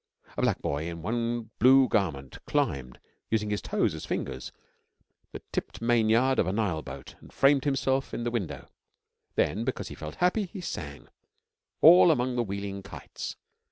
A black boy in one blue garment climbed, using his toes as fingers, the tipped mainyard of a Nile boat and framed himself in the window. Then, because he felt happy, he sang, all among the wheeling kites.